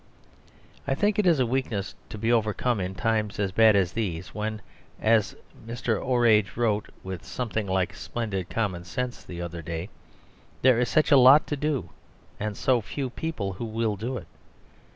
I think it is a weakness to be overcome in times as bad as these, when (as Mr. Orage wrote with something like splendid common sense the other day) there is such a lot to do and so few people who will do it.